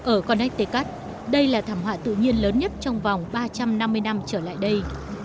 ở con ettekat đây là thảm họa tự nhiên lớn nhất trong vòng ba trăm năm mươi năm trở lại đây